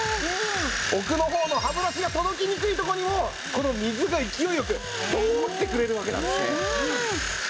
奧の方の歯ブラシが届きにくいところにもこの水が勢いよく通ってくれるわけなんですね。